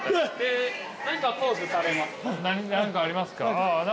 何かありますか？